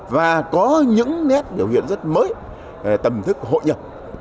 và có những nét biểu hiện rất mới tầm thức hội nhập